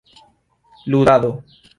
ludado